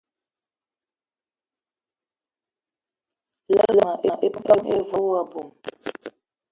Lerma epan ive wo aboum.